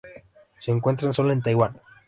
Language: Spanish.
Se encuentra sólo en Taiwán.